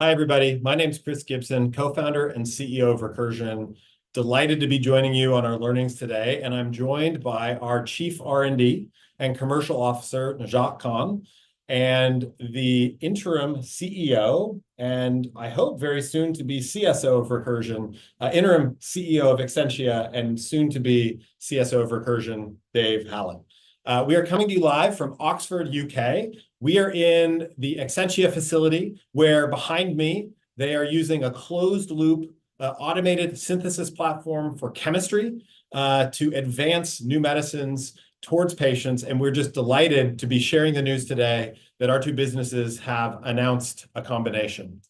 Hi, everybody. My name's Chris Gibson, co-founder and CEO of Recursion. Delighted to be joining you on our earnings today, and I'm joined by our Chief R&D and Commercial Officer, Najat Khan, and the interim CEO, and I hope very soon to be CSO of Recursion, interim CEO of Exscientia and soon to be CSO of Recursion, Dave Hallett. We are coming to you live from Oxford, U.K. We are in the Exscientia facility, where behind me, they are using a closed loop automated synthesis platform for chemistry to advance new medicines towards patients, and we're just delighted to be sharing the news today that our two businesses have announced a combination.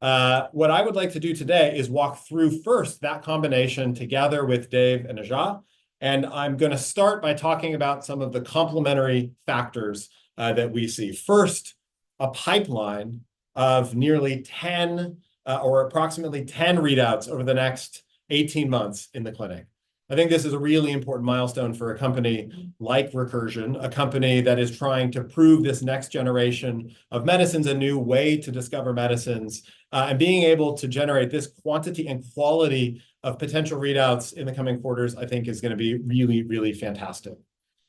What I would like to do today is walk through first that combination together with Dave and Najat, and I'm gonna start by talking about some of the complementary factors, that we see. First, a pipeline of nearly 10, or approximately 10 readouts over the next 18 months in the clinic. I think this is a really important milestone for a company like Recursion, a company that is trying to prove this next generation of medicines, a new way to discover medicines. And being able to generate this quantity and quality of potential readouts in the coming quarters, I think is gonna be really, really fantastic.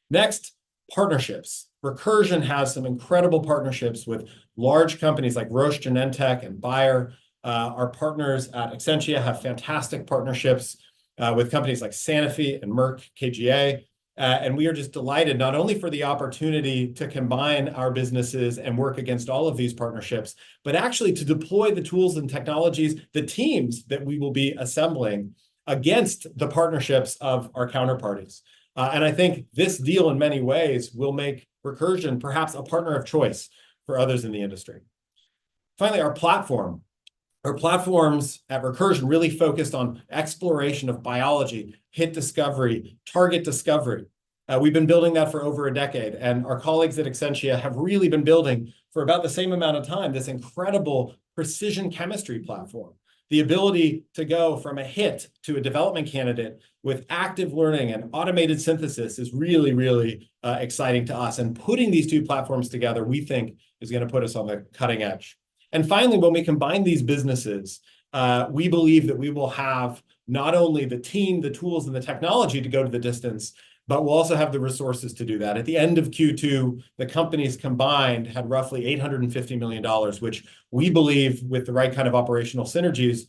Next, partnerships. Recursion has some incredible partnerships with large companies like Roche, Genentech and Bayer. Our partners at Exscientia have fantastic partnerships, with companies like Sanofi and Merck KGaA. And we are just delighted, not only for the opportunity to combine our businesses and work against all of these partnerships, but actually to deploy the tools and technologies, the teams that we will be assembling against the partnerships of our counterparties. And I think this deal, in many ways, will make Recursion perhaps a partner of choice for others in the industry. Finally, our platform. Our platforms at Recursion really focused on exploration of biology, hit discovery, target discovery. We've been building that for over a decade, and our colleagues at Exscientia have really been building for about the same amount of time, this incredible precision chemistry platform. The ability to go from a hit to a development candidate with active learning and automated synthesis is really, really, exciting to us, and putting these two platforms together, we think is gonna put us on the cutting edge. And finally, when we combine these businesses, we believe that we will have not only the team, the tools and the technology to go to the distance, but we'll also have the resources to do that. At the end of Q2, the companies combined had roughly $850 million, which we believe, with the right kind of operational synergies,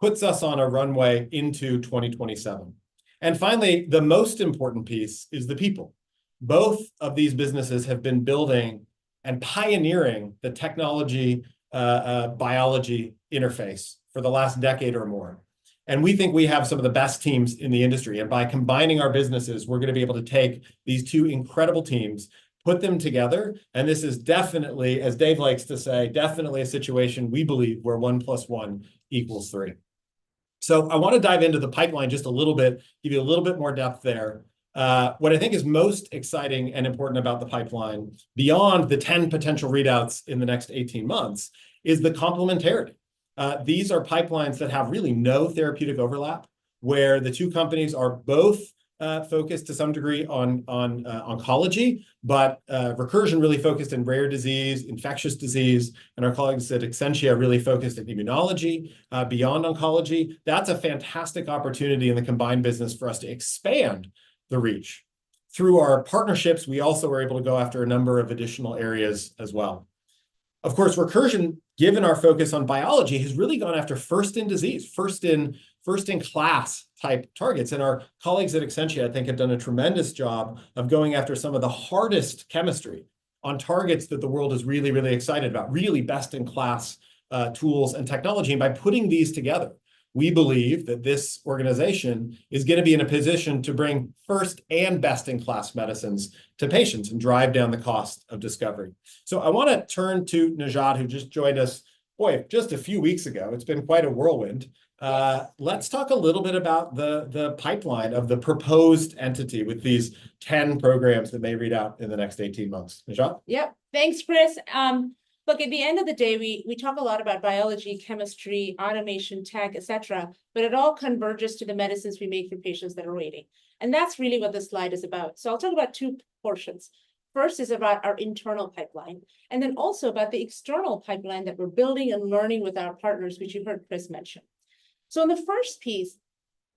puts us on a runway into 2027. And finally, the most important piece is the people. Both of these businesses have been building and pioneering the technology, biology interface for the last decade or more, and we think we have some of the best teams in the industry. By combining our businesses, we're gonna be able to take these two incredible teams, put them together, and this is definitely, as Dave likes to say, definitely a situation we believe where one plus one equals three. I wanna dive into the pipeline just a little bit, give you a little bit more depth there. What I think is most exciting and important about the pipeline, beyond the 10 potential readouts in the next 18 months, is the complementarity. These are pipelines that have really no therapeutic overlap, where the two companies are both focused to some degree on oncology, but Recursion really focused in rare disease, infectious disease, and our colleagues at Exscientia are really focused in immunology beyond oncology. That's a fantastic opportunity in the combined business for us to expand the reach. Through our partnerships, we also were able to go after a number of additional areas as well. Of course, Recursion, given our focus on biology, has really gone after first in disease, first in, first-in-class type targets. And our colleagues at Exscientia, I think, have done a tremendous job of going after some of the hardest chemistry on targets that the world is really, really excited about, really best-in-class tools and technology. By putting these together, we believe that this organization is gonna be in a position to bring first- and best-in-class medicines to patients and drive down the cost of discovery. I wanna turn to Najat, who just joined us, boy, just a few weeks ago. It's been quite a whirlwind. Let's talk a little bit about the pipeline of the proposed entity with these 10 programs that may read out in the next 18 months. Najat? Yep. Thanks, Chris. Look, at the end of the day, we, we talk a lot about biology, chemistry, automation, tech, et cetera, but it all converges to the medicines we make for patients that are waiting, and that's really what this slide is about. So I'll talk about two portions. First is about our internal pipeline, and then also about the external pipeline that we're building and learning with our partners, which you heard Chris mention. So in the first piece,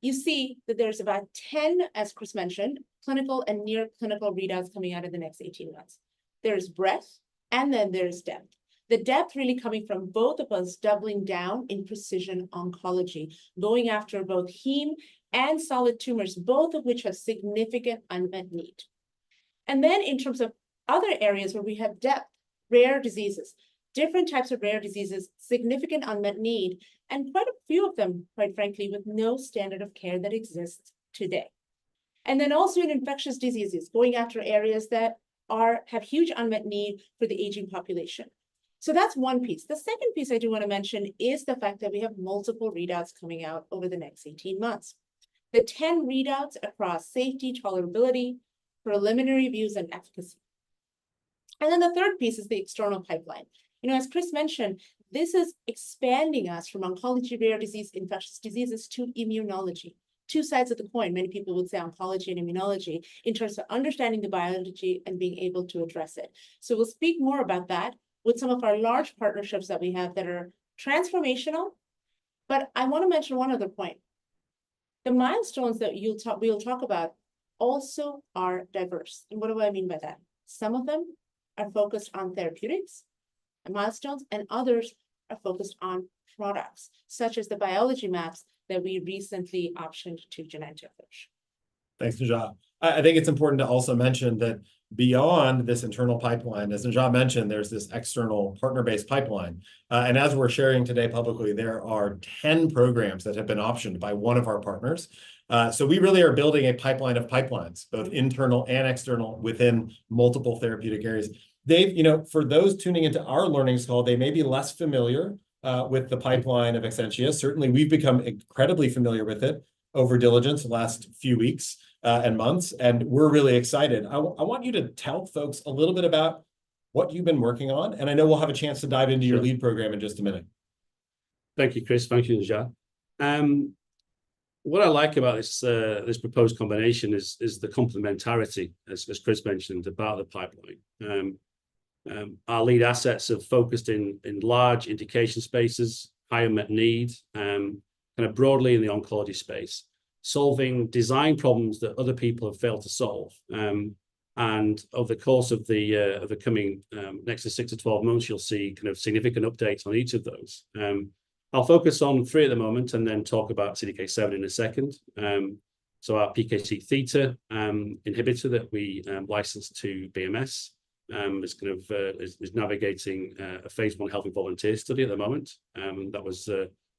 you see that there's about 10, as Chris mentioned, clinical and near-clinical readouts coming out in the next 18 months. There is breadth, and then there's depth. The depth really coming from both of us doubling down in precision oncology, going after both heme and solid tumors, both of which have significant unmet need. And then, in terms of other areas where we have depth, rare diseases. Different types of rare diseases, significant unmet need, and quite a few of them, quite frankly, with no standard of care that exists today. And then also in infectious diseases, going after areas that are have huge unmet need for the aging population. So that's one piece. The second piece I do wanna mention is the fact that we have multiple readouts coming out over the next 18 months. The 10 readouts across safety, tolerability, preliminary views, and efficacy. And then the third piece is the external pipeline. You know, as Chris mentioned, this is expanding us from oncology, rare disease, infectious diseases to immunology. Two sides of the coin, many people would say oncology and immunology, in terms of understanding the biology and being able to address it. So we'll speak more about that with some of our large partnerships that we have that are transformational, but I wanna mention one other point, the milestones that we'll talk about also are diverse. And what do I mean by that? Some of them are focused on therapeutics and milestones, and others are focused on products, such as the biology maps that we recently optioned to Genentech. Thanks, Najat. I think it's important to also mention that beyond this internal pipeline, as Najat mentioned, there's this external partner-based pipeline. And as we're sharing today publicly, there are 10 programs that have been optioned by one of our partners. So we really are building a pipeline of pipelines, both internal and external, within multiple therapeutic areas. Dave, you know, for those tuning into our earnings call, they may be less familiar with the pipeline of Exscientia. Certainly, we've become incredibly familiar with it over diligence the last few weeks and months, and we're really excited. I want you to tell folks a little bit about what you've been working on, and I know we'll have a chance to dive into your lead program in just a minute. Thank you, Chris. Thank you, Najat. What I like about this proposed combination is the complementarity, as Chris mentioned, about the pipeline. Our lead assets have focused in large indication spaces, high unmet need, and are broadly in the oncology space, solving design problems that other people have failed to solve. Over the course of the coming next 6 to 12 months, you'll see kind of significant updates on each of those. I'll focus on 3 at the moment and then talk about CDK7 in a second. So our PKC theta inhibitor that we licensed to BMS is kind of navigating a phase 1 healthy volunteer study at the moment, that was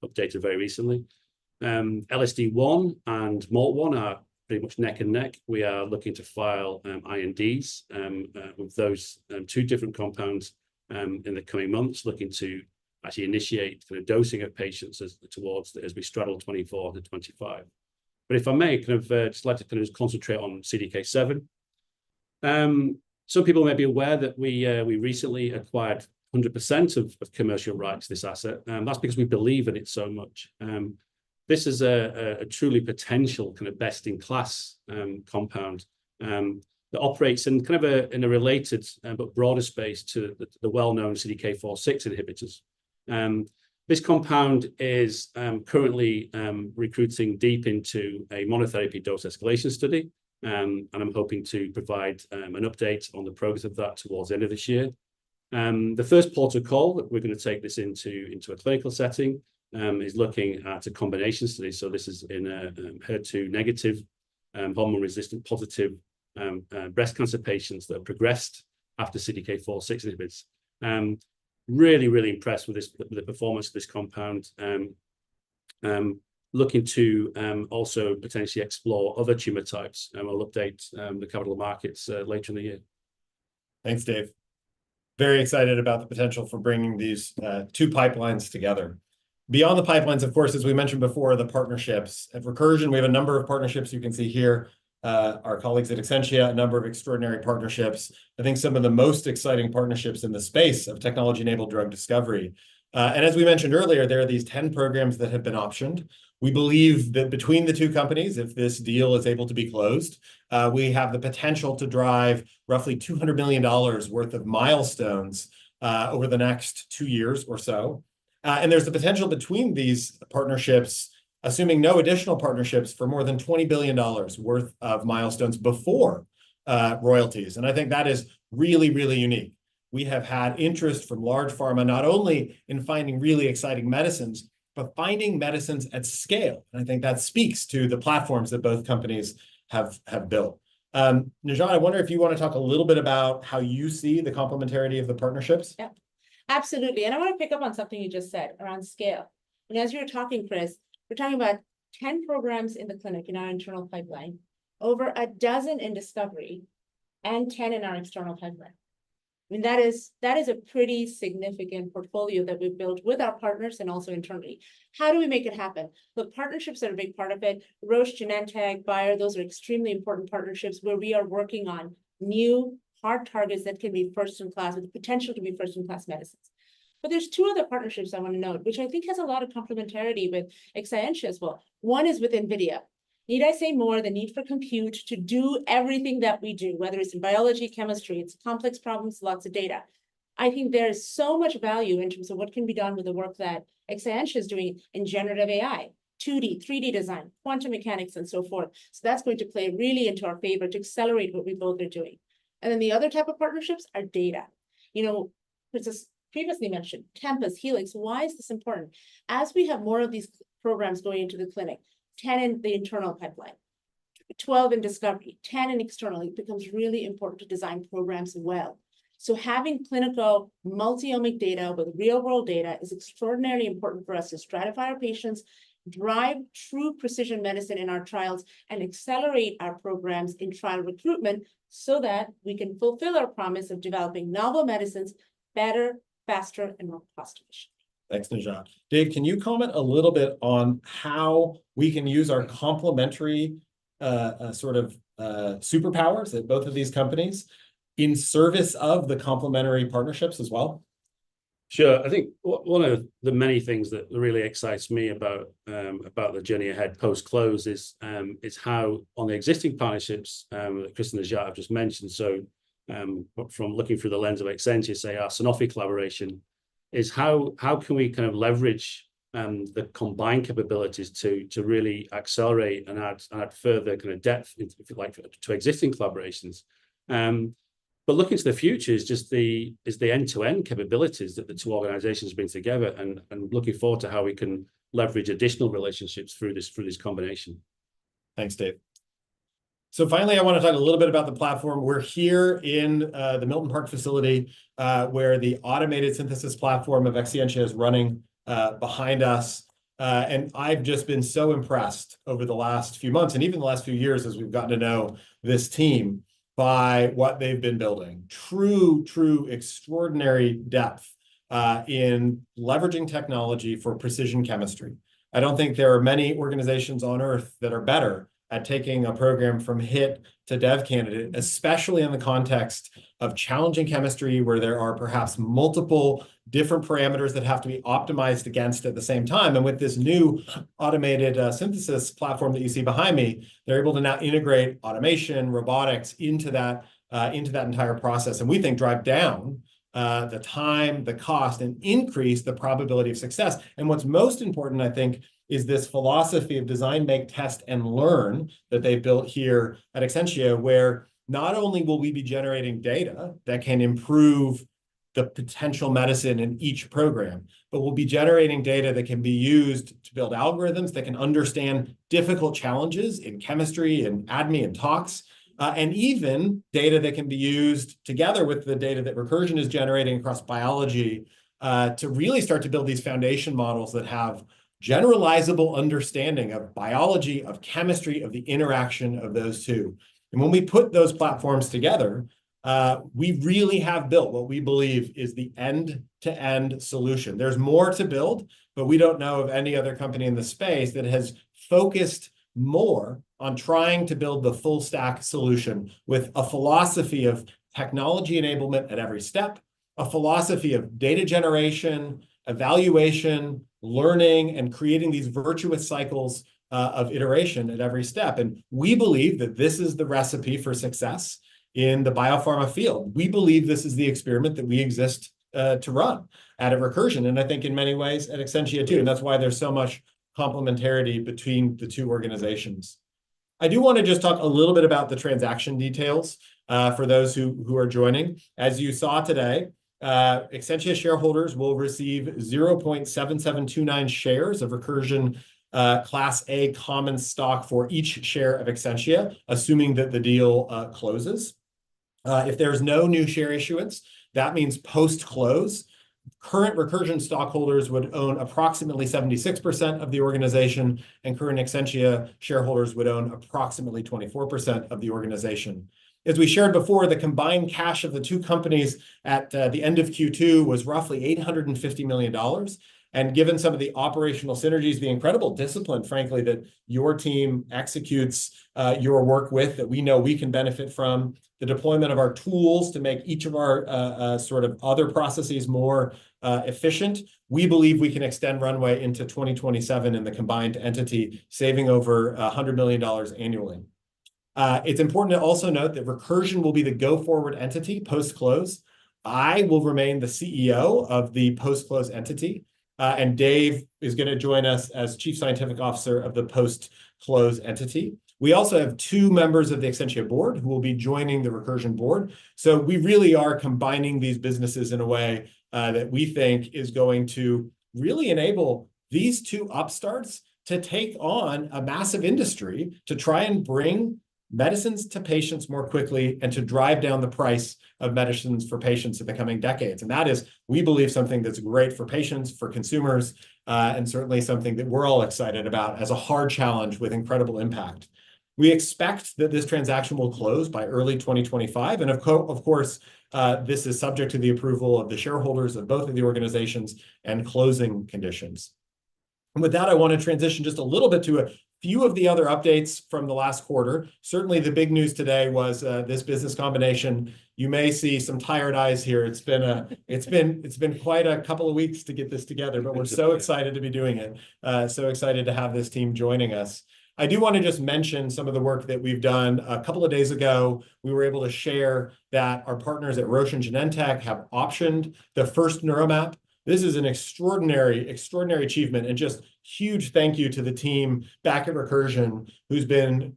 updated very recently. LSD1 and MALT1 are pretty much neck and neck. We are looking to file INDs with those two different compounds in the coming months, looking to actually initiate the dosing of patients as we straddle 2024 to 2025. But if I may, kind of just like to kind of concentrate on CDK7. Some people may be aware that we recently acquired 100% of commercial rights to this asset, and that's because we believe in it so much. This is a truly potential kind of best-in-class compound that operates in kind of a related but broader space to the well-known CDK4/6 inhibitors. This compound is currently recruiting deep into a monotherapy dose-escalation study. And I'm hoping to provide an update on the progress of that towards the end of this year. The first protocol that we're gonna take this into a clinical setting is looking at a combination study, so this is in a HER2 negative hormone receptor positive breast cancer patients that have progressed after CDK4/6 inhibitors. Really, really impressed with this the performance of this compound. Looking to also potentially explore other tumor types, and we'll update the capital markets later in the year. Thanks, Dave. Very excited about the potential for bringing these, two pipelines together. Beyond the pipelines, of course, as we mentioned before, the partnerships. At Recursion, we have a number of partnerships you can see here, our colleagues at Exscientia, a number of extraordinary partnerships, I think some of the most exciting partnerships in the space of technology-enabled drug discovery. And as we mentioned earlier, there are these 10 programs that have been optioned. We believe that between the two companies, if this deal is able to be closed, we have the potential to drive roughly $200 million worth of milestones, over the next two years or so. And there's the potential between these partnerships, assuming no additional partnerships, for more than $20 billion worth of milestones before, royalties, and I think that is really, really unique. We have had interest from large pharma, not only in finding really exciting medicines, but finding medicines at scale, and I think that speaks to the platforms that both companies have built. Najat, I wonder if you wanna talk a little bit about how you see the complementarity of the partnerships? Yep, absolutely, and I wanna pick up on something you just said around scale. And as you were talking, Chris, we're talking about 10 programs in the clinic in our internal pipeline, over a dozen in discovery, and 10 in our external pipeline. I mean, that is, that is a pretty significant portfolio that we've built with our partners and also internally. How do we make it happen? The partnerships are a big part of it. Roche, Genentech, Bayer, those are extremely important partnerships where we are working on new hard targets that can be first-in-class, with the potential to be first-in-class medicines. But there's two other partnerships I want to note, which I think has a lot of complementarity with Exscientia as well. One is with NVIDIA. Need I say more? The need for compute to do everything that we do, whether it's in biology, chemistry, it's complex problems, lots of data. I think there is so much value in terms of what can be done with the work that Exscientia is doing in generative AI, 2D, 3D design, quantum mechanics, and so forth. So that's going to play really into our favor to accelerate what we both are doing. And then the other type of partnerships are data. You know, Chris has previously mentioned Tempus, Helix. Why is this important? As we have more of these programs going into the clinic, 10 in the internal pipeline, 12 in discovery, 10 in external, it becomes really important to design programs well. Having clinical multi-omic data with real-world data is extraordinarily important for us to stratify our patients, drive true precision medicine in our trials, and accelerate our programs in trial recruitment so that we can fulfill our promise of developing novel medicines better, faster, and more cost-efficient. Thanks, Najat. Dave, can you comment a little bit on how we can use our complementary, sort of, superpowers at both of these companies in service of the complementary partnerships as well? Sure, I think one of the many things that really excites me about, about the journey ahead post-close is, is how on the existing partnerships, that Chris and Najat have just mentioned, so, from looking through the lens of Exscientia, say, our Sanofi collaboration is how, how can we kind of leverage, the combined capabilities to, to really accelerate and add, and add further kind of depth into, if you like, to existing collaborations? But looking to the future is just the, is the end-to-end capabilities that the two organizations bring together, and, and looking forward to how we can leverage additional relationships through this, through this combination. Thanks, Dave. So finally, I want to talk a little bit about the platform. We're here in the Milton Park facility, where the automated synthesis platform of Exscientia is running behind us. And I've just been so impressed over the last few months, and even the last few years as we've gotten to know this team, by what they've been building. True, true extraordinary depth in leveraging technology for precision chemistry. I don't think there are many organizations on Earth that are better at taking a program from hit to dev candidate, especially in the context of challenging chemistry, where there are perhaps multiple different parameters that have to be optimized against at the same time. With this new automated synthesis platform that you see behind me, they're able to now integrate automation, robotics into that entire process, and we think drive down the time, the cost, and increase the probability of success. What's most important, I think, is this philosophy of design, make, test and learn that they've built here at Exscientia, where not only will we be generating data that can improve the potential medicine in each program, but we'll be generating data that can be used to build algorithms that can understand difficult challenges in chemistry, in ADME, and tox. Even data that can be used together with the data that Recursion is generating across biology to really start to build these foundation models that have generalizable understanding of biology, of chemistry, of the interaction of those two. And when we put those platforms together, we really have built what we believe is the end-to-end solution. There's more to build, but we don't know of any other company in the space that has focused more on trying to build the full stack solution with a philosophy of technology enablement at every step, a philosophy of data generation, evaluation, learning, and creating these virtuous cycles, of iteration at every step. And we believe that this is the recipe for success in the biopharma field. We believe this is the experiment that we exist, to run out of Recursion, and I think in many ways, at Exscientia, too, and that's why there's so much complementarity between the two organizations. I do want to just talk a little bit about the transaction details, for those who, who are joining. As you saw today, Exscientia shareholders will receive 0.7729 shares of Recursion Class A common stock for each share of Exscientia, assuming that the deal closes. If there's no new share issuance, that means post-close, current Recursion stockholders would own approximately 76% of the organization, and current Exscientia shareholders would own approximately 24% of the organization. As we shared before, the combined cash of the two companies at the end of Q2 was roughly $850 million. Given some of the operational synergies, the incredible discipline, frankly, that your team executes, your work with, that we know we can benefit from the deployment of our tools to make each of our, sort of other processes more, efficient, we believe we can extend runway into 2027 in the combined entity, saving over $100 million annually. It's important to also note that Recursion will be the go-forward entity post-close. I will remain the CEO of the post-close entity, and Dave is gonna join us as Chief Scientific Officer of the post-close entity. We also have 2 members of the Exscientia board who will be joining the Recursion board. So we really are combining these businesses in a way that we think is going to really enable these two upstarts to take on a massive industry, to try and bring medicines to patients more quickly, and to drive down the price of medicines for patients in the coming decades. And that is, we believe, something that's great for patients, for consumers, and certainly something that we're all excited about as a hard challenge with incredible impact. We expect that this transaction will close by early 2025, and of course, this is subject to the approval of the shareholders of both of the organizations and closing conditions. And with that, I want to transition just a little bit to a few of the other updates from the last quarter. Certainly, the big news today was this business combination. You may see some tired eyes here. It's been quite a couple of weeks to get this together, but we're so excited to be doing it, so excited to have this team joining us. I do want to just mention some of the work that we've done. A couple of days ago, we were able to share that our partners at Roche and Genentech have optioned the first NeuroMap. This is an extraordinary, extraordinary achievement, and just huge thank you to the team back at Recursion who's been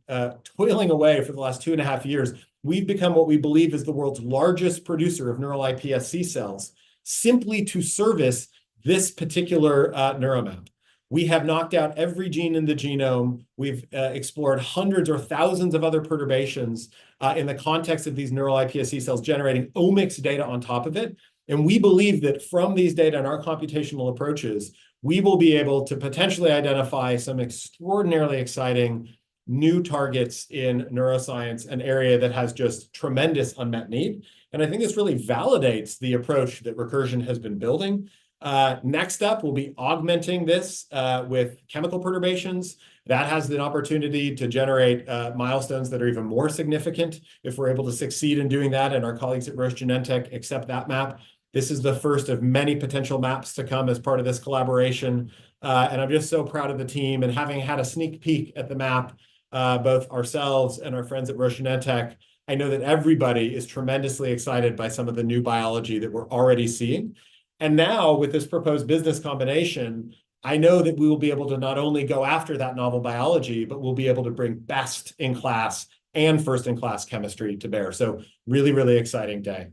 toiling away for the last two and a half years. We've become what we believe is the world's largest producer of neural iPSC cells, simply to service this particular NeuroMap. We have knocked out every gene in the genome. We've explored hundreds or thousands of other perturbations in the context of these neural iPSC cells, generating omics data on top of it. We believe that from these data and our computational approaches, we will be able to potentially identify some extraordinarily exciting new targets in neuroscience, an area that has just tremendous unmet need. I think this really validates the approach that Recursion has been building. Next up, we'll be augmenting this with chemical perturbations. That has the opportunity to generate milestones that are even more significant if we're able to succeed in doing that, and our colleagues at Roche Genentech accept that map. This is the first of many potential maps to come as part of this collaboration. And I'm just so proud of the team, and having had a sneak peek at the map, both ourselves and our friends at Roche Genentech, I know that everybody is tremendously excited by some of the new biology that we're already seeing. And now, with this proposed business combination, I know that we will be able to not only go after that novel biology, but we'll be able to bring best-in-class and first-in-class chemistry to bear. So really, really exciting day.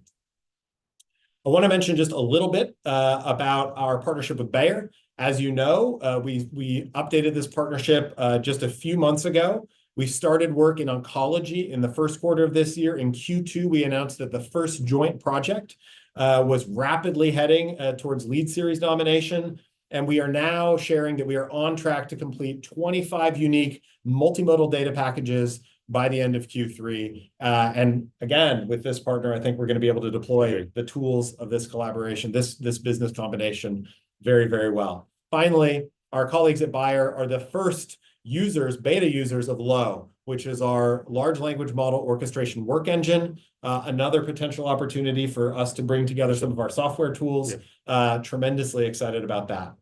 I want to mention just a little bit about our partnership with Bayer. As you know, we, we updated this partnership just a few months ago. We started work in oncology in the first quarter of this year. In Q2, we announced that the first joint project was rapidly heading towards lead series nomination, and we are now sharing that we are on track to complete 25 unique multimodal data packages by the end of Q3. And again, with this partner, I think we're gonna be able to deploy the tools of this collaboration, this, this business combination very, very well. Finally, our colleagues at Bayer are the first users, beta users of LOWE, which is our large language model orchestration work engine, another potential opportunity for us to bring together some of our software tools. Yeah. Tremendously excited about that.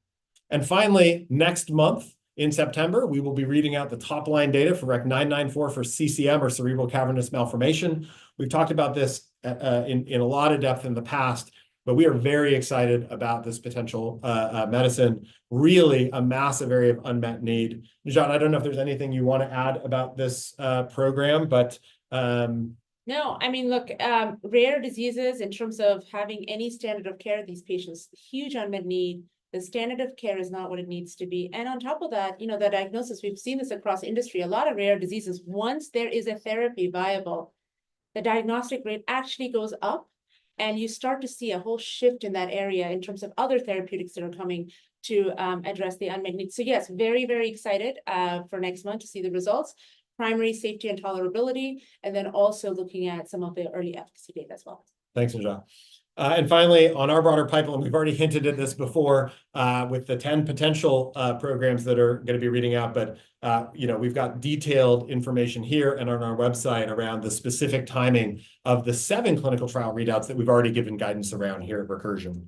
And finally, next month, in September, we will be reading out the top-line data for REC-994 for CCM or cerebral cavernous malformation. We've talked about this in a lot of depth in the past, but we are very excited about this potential medicine, really a massive area of unmet need. Najat, I don't know if there's anything you want to add about this program, but No, I mean, look, rare diseases in terms of having any standard of care, these patients, huge unmet need. The standard of care is not what it needs to be, and on top of that, you know, the diagnosis, we've seen this across industry, a lot of rare diseases, once there is a therapy viable, the diagnostic rate actually goes up, and you start to see a whole shift in that area in terms of other therapeutics that are coming to address the unmet need. So yes, very, very excited for next month to see the results, primary safety and tolerability, and then also looking at some of the early efficacy data as well. Thanks, Najat. And finally, on our broader pipeline, we've already hinted at this before, with the 10 potential programs that are gonna be reading out, but, you know, we've got detailed information here and on our website around the specific timing of the 7 clinical trial readouts that we've already given guidance around here at Recursion.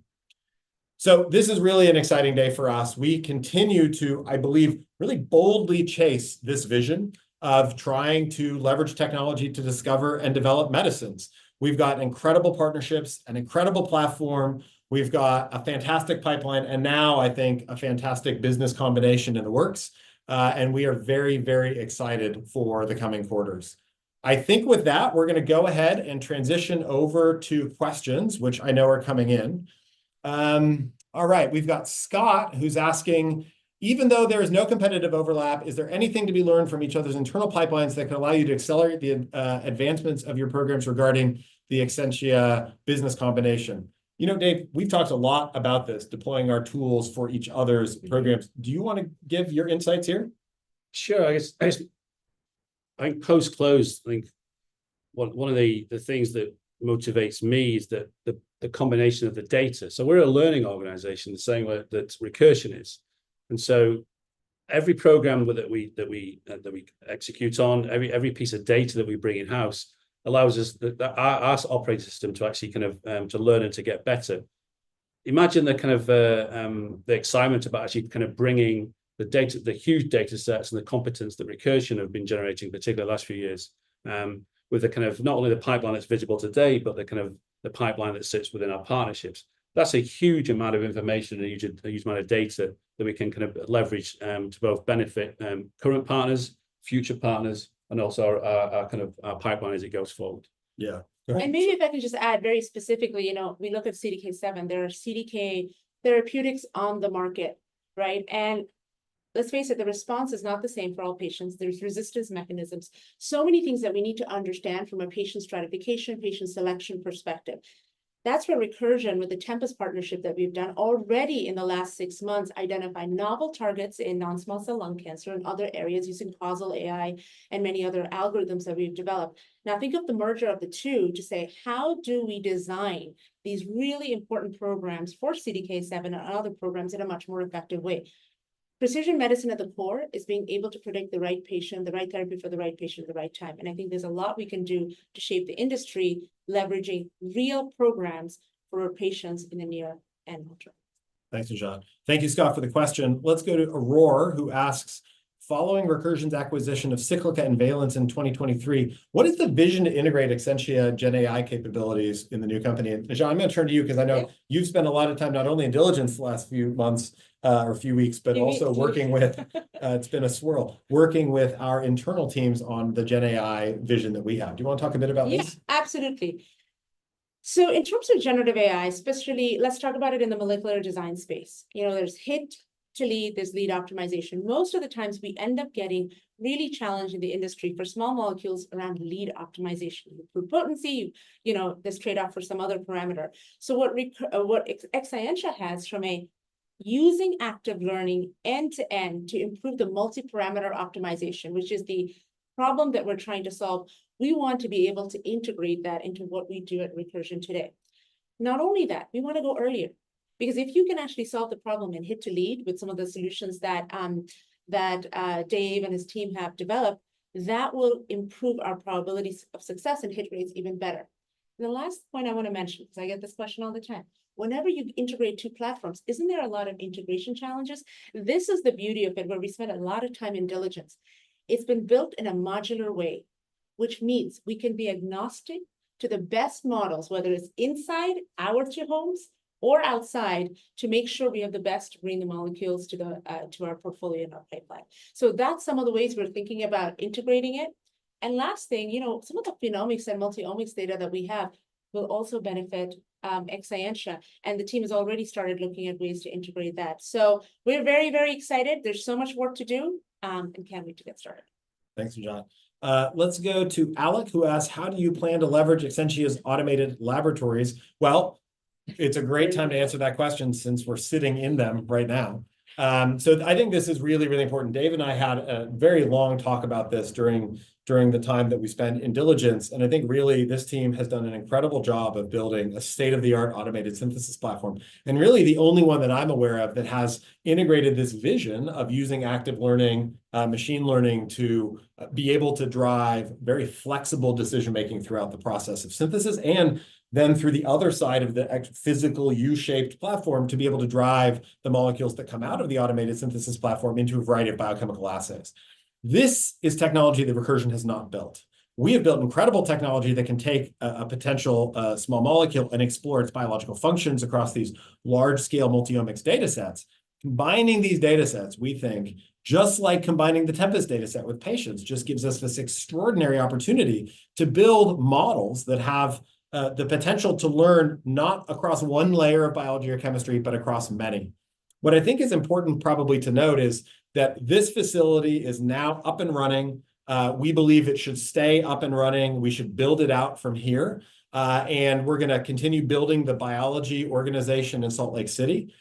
So this is really an exciting day for us. We continue to, I believe, really boldly chase this vision of trying to leverage technology to discover and develop medicines. We've got incredible partnerships, an incredible platform, we've got a fantastic pipeline, and now, I think, a fantastic business combination in the works, and we are very, very excited for the coming quarters. I think with that, we're gonna go ahead and transition over to questions, which I know are coming in. All right, we've got Scott, who's asking: "Even though there is no competitive overlap, is there anything to be learned from each other's internal pipelines that can allow you to accelerate the advancements of your programs regarding the Exscientia business combination?" You know, Dave, we've talked a lot about this, deploying our tools for each other's programs. Mm-hmm. Do you wanna give your insights here? Sure, I guess, I guess. I think one of the things that motivates me is the combination of the data. So we're a learning organization, the same way that Recursion is, and so every program that we execute on, every piece of data that we bring in-house allows us, the our operating system to actually kind of to learn and to get better. Imagine the kind of the excitement about actually kind of bringing the data - the huge data sets and the content that Recursion have been generating, particularly the last few years, with the kind of not only the pipeline that's visible today, but the kind of the pipeline that sits within our partnerships. That's a huge amount of information and a huge amount of data that we can kind of leverage to both benefit current partners, future partners, and also our kind of pipeline as it goes forward. Yeah. Great. And maybe if I could just add very specifically, you know, we look at CDK7, there are CDK therapeutics on the market, right? And let's face it, the response is not the same for all patients. There's resistance mechanisms, so many things that we need to understand from a patient stratification, patient selection perspective. That's where Recursion, with the Tempus partnership that we've done already in the last six months, identify novel targets in non-small cell lung cancer and other areas using causal AI and many other algorithms that we've developed. Now, think of the merger of the two to say: How do we design these really important programs for CDK7 and other programs in a much more effective way? Precision medicine at the core is being able to predict the right patient, the right therapy for the right patient at the right time, and I think there's a lot we can do to shape the industry, leveraging real programs for our patients in the near and long-term. Thanks, Najat. Thank you, Scott, for the question. Let's go to Aurore, who asks: "Following Recursion's acquisition of Cyclica and Valence in 2023, what is the vision to integrate Exscientia Gen AI capabilities in the new company?" Najat, I'm gonna turn to you- Yeah cause I know you've spent a lot of time not only in diligence the last few months, or few weeks- Indeed but also working with it's been a swirl, working with our internal teams on the Gen AI vision that we have. Do you wanna talk a bit about this? Yeah. Absolutely. So in terms of generative AI, especially, let's talk about it in the molecular design space. You know, there's hit to lead, there's lead optimization. Most of the times, we end up getting really challenged in the industry for small molecules around lead optimization, for potency, you know, this trade-off for some other parameter. So what Exscientia has from a using active learning end-to-end to improve the multiparameter optimization, which is the problem that we're trying to solve, we want to be able to integrate that into what we do at Recursion today. Not only that, we wanna go earlier, because if you can actually solve the problem and hit to lead with some of the solutions that Dave and his team have developed, that will improve our probabilities of success and hit rates even better. The last point I wanna mention, 'cause I get this question all the time: "Whenever you integrate two platforms, isn't there a lot of integration challenges?" This is the beauty of it, where we spent a lot of time in diligence. It's been built in a modular way, which means we can be agnostic to the best models, whether it's inside our two homes or outside, to make sure we have the best green molecules to the, to our portfolio and our pipeline. So that's some of the ways we're thinking about integrating it. And last thing, you know, some of the phenomics and multi-omics data that we have will also benefit Exscientia, and the team has already started looking at ways to integrate that. So we're very, very excited. There's so much work to do, and can't wait to get started. Thanks, Najat. Let's go to Alec, who asked, "How do you plan to leverage Exscientia's automated laboratories?" Well, it's a great time to answer that question since we're sitting in them right now. So I think this is really, really important. Dave and I had a very long talk about this during the time that we spent in diligence, and I think really this team has done an incredible job of building a state-of-the-art automated synthesis platform, and really, the only one that I'm aware of that has integrated this vision of using active learning, machine learning, to be able to drive very flexible decision-making throughout the process of synthesis, and then through the other side of the Exscientia's physical U-shaped platform, to be able to drive the molecules that come out of the automated synthesis platform into a variety of biochemical assays. This is technology that Recursion has not built. We have built incredible technology that can take a potential small molecule and explore its biological functions across these large-scale multi-omics datasets. Combining these datasets, we think, just like combining the Tempus dataset with patients, just gives us this extraordinary opportunity to build models that have the potential to learn not across one layer of biology or chemistry, but across many. What I think is important probably to note is that this facility is now up and running. We believe it should stay up and running, we should build it out from here, and we're gonna continue building the biology organization in Salt Lake City.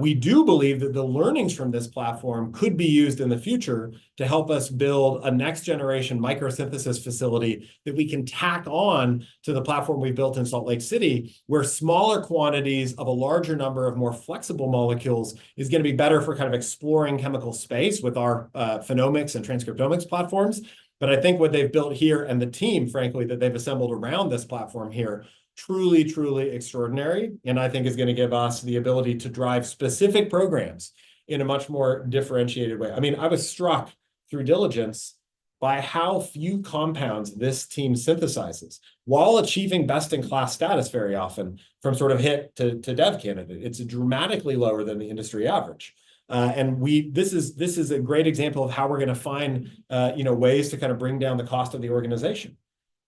We do believe that the earnings from this platform could be used in the future to help us build a next-generation microsynthesis facility that we can tack on to the platform we've built in Salt Lake City, where smaller quantities of a larger number of more flexible molecules is gonna be better for kind of exploring chemical space with our phenomics and transcriptomics platforms. But I think what they've built here, and the team, frankly, that they've assembled around this platform here, truly, truly extraordinary, and I think is gonna give us the ability to drive specific programs in a much more differentiated way. I mean, I was struck through diligence by how few compounds this team synthesizes, while achieving best-in-class status very often, from sort of hit to dev candidate. It's dramatically lower than the industry average. And we this is a great example of how we're gonna find, you know, ways to kind of bring down the cost of the organization.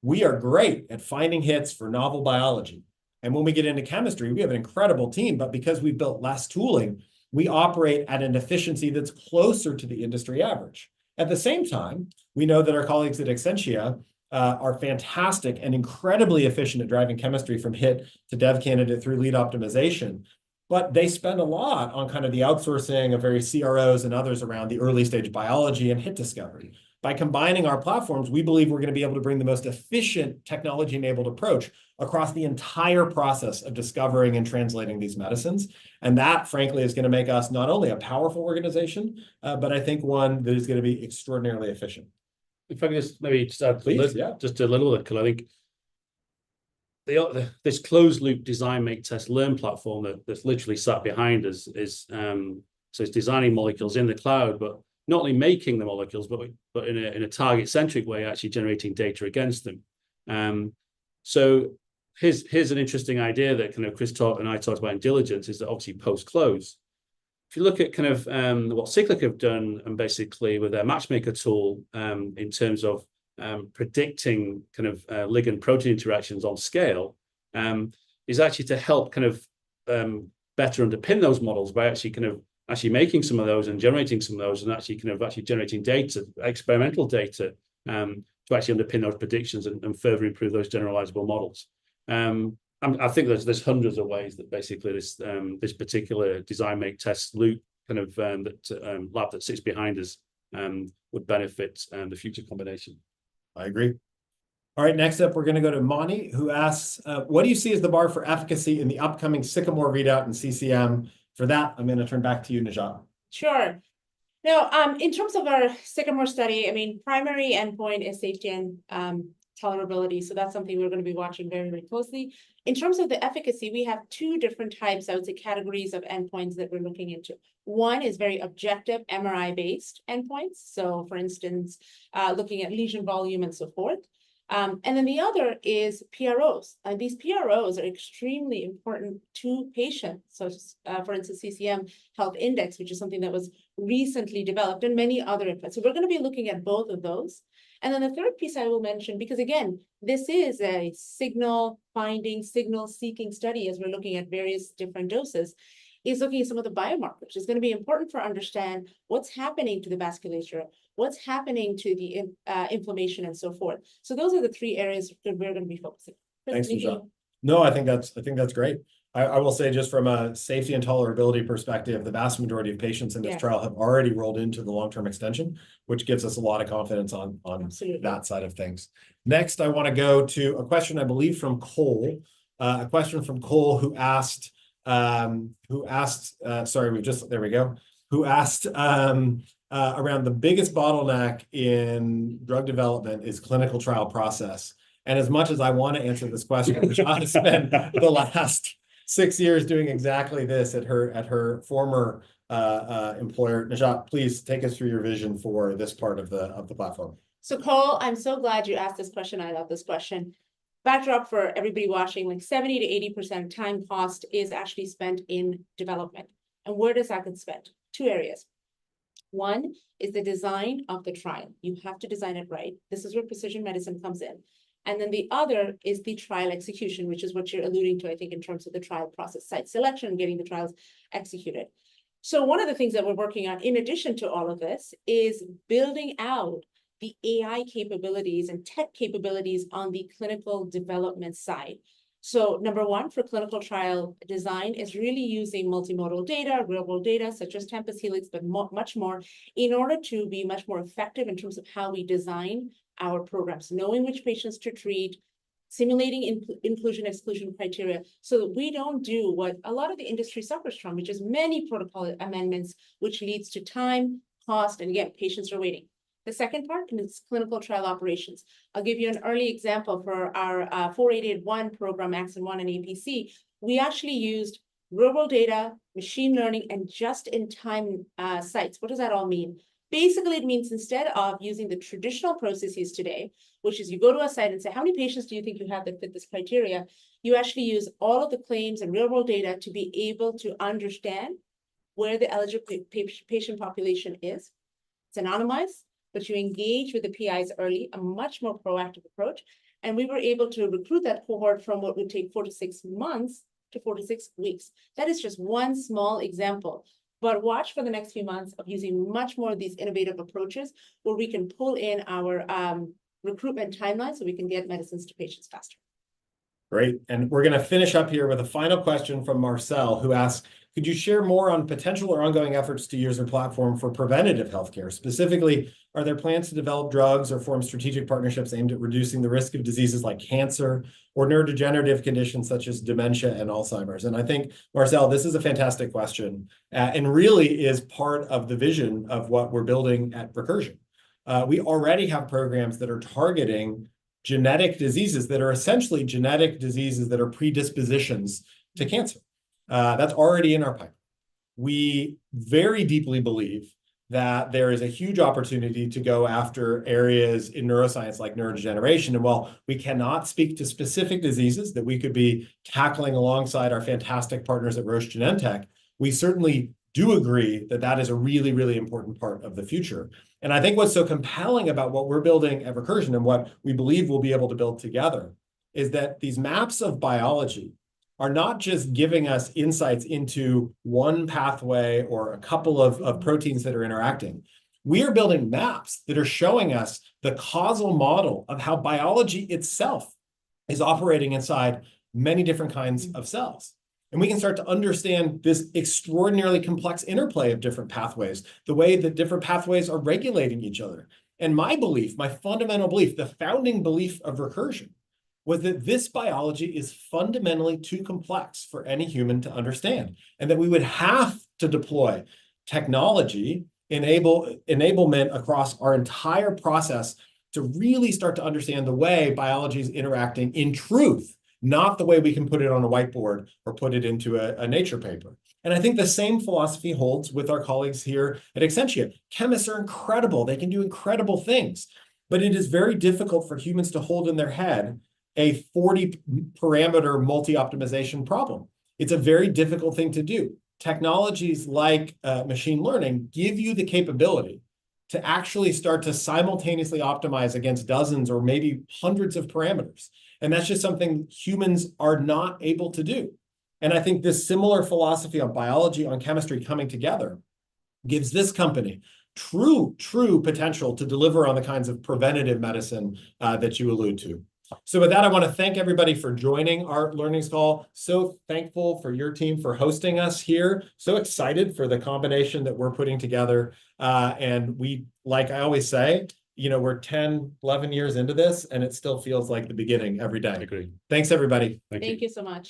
We are great at finding hits for novel biology, and when we get into chemistry, we have an incredible team, but because we've built less tooling, we operate at an efficiency that's closer to the industry average. At the same time, we know that our colleagues at Exscientia are fantastic and incredibly efficient at driving chemistry from hit to dev candidate through lead optimization, but they spend a lot on kind of the outsourcing of various CROs and others around the early stage biology and hit discovery. By combining our platforms, we believe we're gonna be able to bring the most efficient technology-enabled approach across the entire process of discovering and translating these medicines, and that, frankly, is gonna make us not only a powerful organization, but I think one that is gonna be extraordinarily efficient. If I could just maybe start- Please, yeah. Just a little look, 'cause I think this closed loop design, make, test, learn platform that's literally sat behind us is, so it's designing molecules in the cloud, but not only making the molecules, but in a target-centric way, actually generating data against them. So here's an interesting idea that kind of Chris talked and I talked about in diligence, is that obviously post-close, if you look at kind of what Cyclica have done and basically with their MatchMaker tool, in terms of predicting kind of ligand protein interactions on scale, is actually to help kind of better underpin those models by actually kind of actually making some of those and generating some of those, and actually kind of actually generating data, experimental data, to actually underpin those predictions and further improve those generalizable models. And I think there's hundreds of ways that basically this particular design, make, test loop, kind of that lab that sits behind us would benefit the future combination. I agree. All right, next up, we're gonna go to Mani, who asks, "What do you see as the bar for efficacy in the upcoming Sycamore readout in CCM?" For that, I'm gonna turn back to you, Najat. Sure. Now, in terms of our Sycamore study, I mean, primary endpoint is safety and, tolerability, so that's something we're gonna be watching very, very closely. In terms of the efficacy, we have two different types, I would say, categories of endpoints that we're looking into. One is very objective, MRI-based endpoints, so for instance, looking at lesion volume and so forth. And then the other is PROs, and these PROs are extremely important to patients, so, for instance, CCM Health Index, which is something that was recently developed, and many other endpoints. So we're gonna be looking at both of those. And then the third piece I will mention, because again, this is a signal-finding, signal-seeking study as we're looking at various different doses, is looking at some of the biomarkers. It's gonna be important for understand what's happening to the vasculature, what's happening to the inflammation, and so forth. So those are the three areas that we're gonna be focusing. Thanks, Najat. Thank you. No, I think that's, I think that's great. I, I will say, just from a safety and tolerability perspective, the vast majority of patients in this trial- Yeah have already rolled into the long-term extension, which gives us a lot of confidence on, on- Absolutely that side of things. Next, I wanna go to a question, I believe from Cole. A question from Cole, who asked around the biggest bottleneck in drug development is clinical trial process, and as much as I wanna answer this question. Najat has spent the last six years doing exactly this at her former employer. Najat, please take us through your vision for this part of the platform. So Cole, I'm so glad you asked this question. I love this question. Backdrop for everybody watching, like, 70%-80% of time cost is actually spent in development. And where is that being spent? Two areas. One is the design of the trial. You have to design it right. This is where precision medicine comes in. And then the other is the trial execution, which is what you're alluding to, I think, in terms of the trial process, site selection, getting the trials executed. So one of the things that we're working on, in addition to all of this, is building out the AI capabilities and tech capabilities on the clinical development side. So number one, for clinical trial design is really using multimodal data, real-world data, such as Tempus Helix, but much more, in order to be much more effective in terms of how we design our programs, knowing which patients to treat, simulating inclusion, exclusion criteria, so that we don't do what a lot of the industry suffers from, which is many protocol amendments, which leads to time, cost, and yet patients are waiting. The second part, and it's clinical trial operations. I'll give you an early example for our 4881 program, AXIN1 and APC. We actually used real-world data, machine learning, and just-in-time sites. What does that all mean? Basically, it means instead of using the traditional processes today, which is you go to a site and say, "How many patients do you think you have that fit this criteria?" You actually use all of the claims and real-world data to be able to understand where the eligible patient population is. It's anonymized, but you engage with the PIs early, a much more proactive approach, and we were able to recruit that cohort from what would take four to six months to four to six weeks. That is just one small example, but watch for the next few months of using much more of these innovative approaches, where we can pull in our recruitment timeline, so we can get medicines to patients faster. Great, and we're gonna finish up here with a final question from Marcel, who asked: Could you share more on potential or ongoing efforts to use your platform for preventative healthcare? Specifically, are there plans to develop drugs or form strategic partnerships aimed at reducing the risk of diseases like cancer or neurodegenerative conditions such as dementia and Alzheimer's? And I think, Marcel, this is a fantastic question, and really is part of the vision of what we're building at Recursion. We already have programs that are targeting genetic diseases, that are essentially genetic diseases that are predispositions to cancer. That's already in our pipe. We very deeply believe that there is a huge opportunity to go after areas in neuroscience, like neurodegeneration. And while we cannot speak to specific diseases that we could be tackling alongside our fantastic partners at Roche Genentech, we certainly do agree that that is a really, really important part of the future. And I think what's so compelling about what we're building at Recursion, and what we believe we'll be able to build together, is that these maps of biology are not just giving us insights into one pathway or a couple of proteins that are interacting. We are building maps that are showing us the causal model of how biology itself is operating inside many different kinds of cells. And we can start to understand this extraordinarily complex interplay of different pathways, the way the different pathways are regulating each other. And my belief, my fundamental belief, the founding belief of Recursion, was that this biology is fundamentally too complex for any human to understand, and that we would have to deploy technology, enablement across our entire process, to really start to understand the way biology is interacting in truth, not the way we can put it on a whiteboard or put it into a nature paper. And I think the same philosophy holds with our colleagues here at Exscientia. Chemists are incredible. They can do incredible things, but it is very difficult for humans to hold in their head a 40-parameter multi-optimization problem. It's a very difficult thing to do. Technologies like machine learning give you the capability to actually start to simultaneously optimize against dozens or maybe hundreds of parameters, and that's just something humans are not able to do. I think this similar philosophy on biology, on chemistry coming together, gives this company true, true potential to deliver on the kinds of preventative medicine that you allude to. So with that, I wanna thank everybody for joining our earnings call. So thankful for your team for hosting us here. So excited for the combination that we're putting together. And, like I always say, you know, we're 10, 11 years into this, and it still feels like the beginning every day. Agree. Thanks, everybody. Thank you so much.